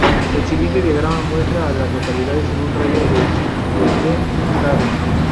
El siguiente diagrama muestra a las localidades en un radio de de Glen Raven.